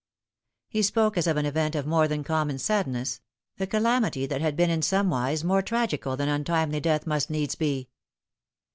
He spoke as of an event of more than common sadness r. calamity that had been in somewise more tragical than untimely death must needs be.